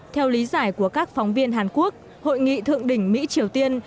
theo lý giải của các phóng viên hàn quốc hội nghị thượng đỉnh mỹ triều tiên